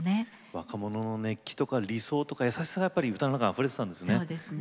若者の熱気とか理想とか優しさが歌の中にあふれていたんですね。